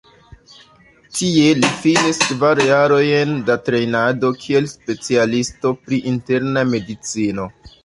Tie li finis kvar jarojn da trejnado kiel specialisto pri interna medicino.